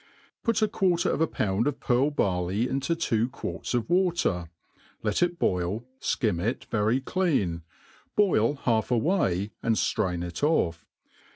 * PUT a quarter of a pound of pearl barley into two quarts of water, lee it boil, fl^im it very clean, boil half away^ ^nd ftrain it off.